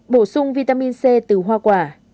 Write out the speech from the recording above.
bổ sung vitamin c từ hoa quả